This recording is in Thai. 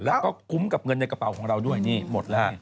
แล้วก็คุ้มกับเงินในกระเป๋าของเราด้วยนี่หมดแล้วฮะ